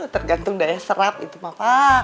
tergantung daya serat itu papa